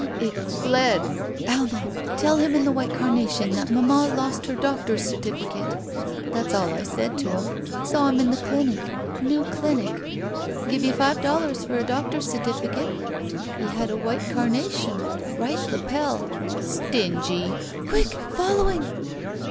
"It bled. Alma, tell him in the white carnation that mamma lost her doctor's certificate. That's all I said to him. Saw him in the clinic — new clini< 52 it SHE WALKS IN BEAUTY *give you five dollars lor a doctor's certificate/ He had a white carnation — bright lapel. Stingy. Quick! — following!"